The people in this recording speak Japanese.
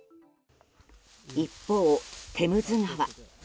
一方、テムズ川。